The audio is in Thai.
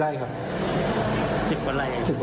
เจ้าบอกว่าจะได้กี่ไรขับ